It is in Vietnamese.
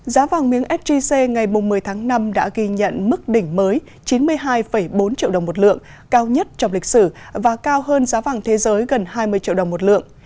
giá vàng miếng sgc ngày một mươi tháng năm đã ghi nhận mức đỉnh mới chín mươi hai bốn triệu đồng một lượng cao nhất trong lịch sử và cao hơn giá vàng thế giới gần hai mươi triệu đồng một lượng